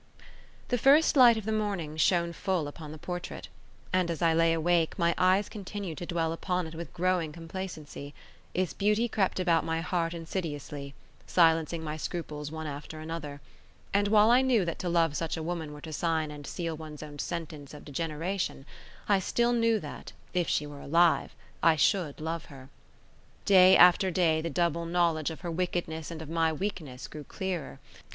The first light of the morning shone full upon the portrait, and, as I lay awake, my eyes continued to dwell upon it with growing complacency; its beauty crept about my heart insidiously, silencing my scruples one after another; and while I knew that to love such a woman were to sign and seal one's own sentence of degeneration, I still knew that, if she were alive, I should love her. Day after day the double knowledge of her wickedness and of my weakness grew clearer.